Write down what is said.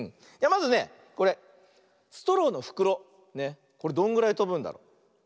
まずねこれストローのふくろこれどんぐらいとぶんだろう。